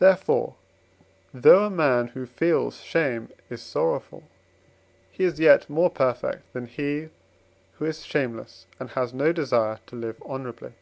Therefore, though a man who feels shame is sorrowful, he is yet more perfect than he, who is shameless, and has no desire to live honourably.